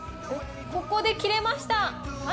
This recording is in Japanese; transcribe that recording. ここで切れました。